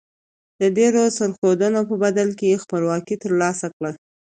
د ډیرو سرښندنو په بدله کې خپلواکي تر لاسه کړه.